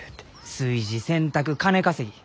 炊事洗濯金稼ぎ。